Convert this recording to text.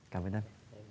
cảm ơn em